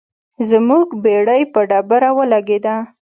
زموږ بیړۍ په ډبرو ولګیده.